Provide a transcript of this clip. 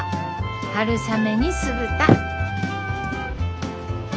春雨に酢豚。え？